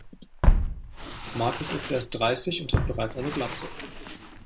Markus ist erst dreißig und hat bereits eine Glatze.